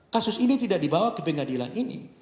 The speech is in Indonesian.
kasus ini tidak dibawa ke pengadilan ini